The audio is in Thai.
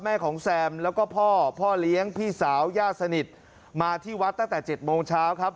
แม่ของแซมแล้วก็พ่อพ่อเลี้ยงพี่สาวญาติสนิทมาที่วัดตั้งแต่๗โมงเช้าครับ